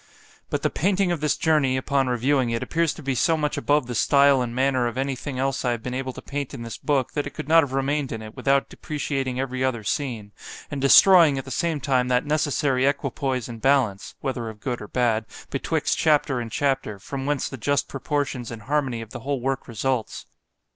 —But the painting of this journey, upon reviewing it, appears to be so much above the stile and manner of any thing else I have been able to paint in this book, that it could not have remained in it, without depreciating every other scene; and destroying at the same time that necessary equipoise and balance, (whether of good or bad) betwixt chapter and chapter, from whence the just proportions and harmony of the whole work results.